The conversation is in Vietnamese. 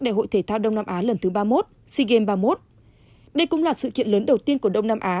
đại hội thể thao đông nam á lần thứ ba mươi một sea games ba mươi một đây cũng là sự kiện lớn đầu tiên của đông nam á